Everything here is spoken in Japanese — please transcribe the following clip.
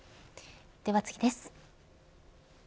では次です。